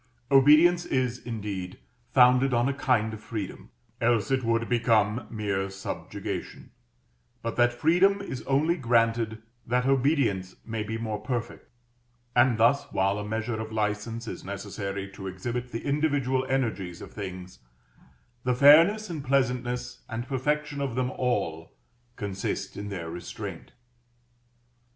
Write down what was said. Obedience is, indeed, founded on a kind of freedom, else its would become mere subjugation, but that freedom is only granted that obedience may be more perfect; and thus, while a measure of license is necessary to exhibit the individual energies of things, the fairness and pleasantness and perfection of them all consist in their Restraint.